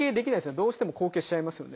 どうしても後傾しちゃいますよね。